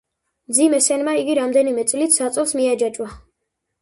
მძიმე სენმა იგი რამდენიმე წლით საწოლს მიაჯაჭვა.